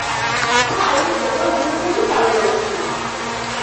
থাই এবং ইংরেজি পারদর্শী।